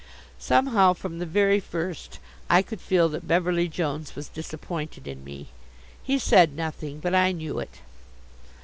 Somehow from the very first I could feel that Beverly Jones was disappointed in me. He said nothing. But I knew it.